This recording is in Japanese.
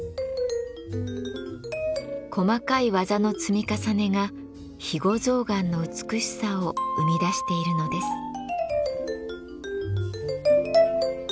細かい技の積み重ねが肥後象がんの美しさを生み出しているのです。